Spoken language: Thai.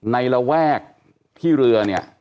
ระแวกที่เรือเนี่ย